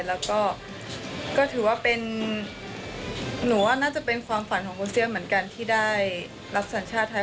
แล้วก็ก็ถือว่าเป็นหนูว่าน่าจะเป็นความฝันของคนเสื้อเหมือนกันที่ได้รับสัญชาติไทย